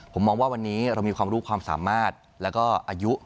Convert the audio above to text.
ผมมองว่าวันนี้เรามีความรู้ความสามารถแล้วก็อายุ